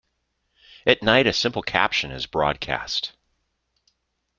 At night a simple caption is broadcast.